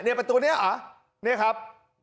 เนี่ยประตูนี้อ่ะเนี่ยครับ